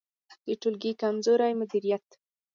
د ټولګي کمزوری مدیریت